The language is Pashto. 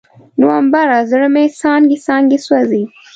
نومبره، زړه مې څانګې، څانګې سوزي